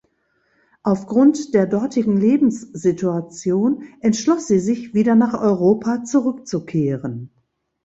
Aufgrund der dortigen Lebenssituation entschloss sie sich wieder nach Europa zurückzukehren.